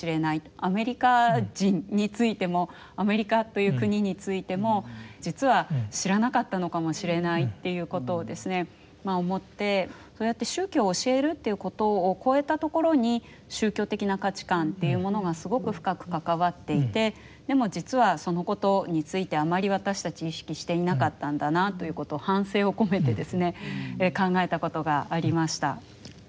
アメリカ人についてもアメリカという国についても実は知らなかったのかもしれないっていうことをですね思ってそうやって宗教を教えるっていうことを超えたところに宗教的な価値観っていうものがすごく深く関わっていてでも実はそのことについてあまり私たち意識していなかったんだなということを反省を込めてですね考えたことがありました。